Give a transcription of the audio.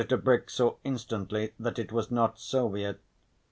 Tebrick saw instantly that it was not Silvia.